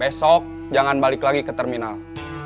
besok jangan balik lagi ke terminal